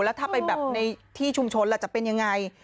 แล้วถ้าไปแบบในที่ชุมชนล่ะจะเป็นยังไง